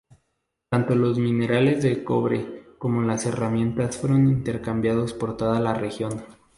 Tanto los minerales de cobre como las herramientas fueron intercambiados por toda la región.